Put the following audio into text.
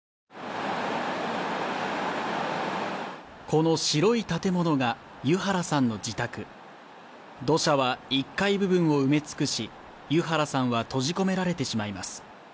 この白い建物が湯原さんの自宅土砂は１階部分を埋め尽くし湯原さんは閉じ込められてしまいます